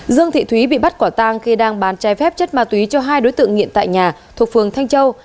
dương thị thúy bị bắt quả tang khi đang bán trái phép chất ma túy cho hai đối tượng nghiện tại nhà thuộc phường thanh châu